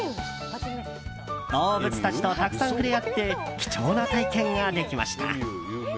動物たちとたくさん触れ合って貴重な体験ができました。